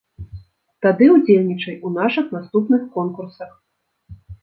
Тады удзельнічай у нашых наступных конкурсах!